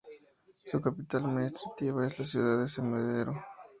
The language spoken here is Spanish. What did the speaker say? Su capital administrativa es la ciudad de Smederevo.